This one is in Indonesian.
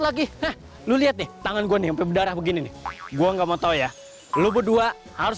lagi lu lihat nih tangan gua nyampe berdarah begini gua nggak mau tahu ya lu berdua harus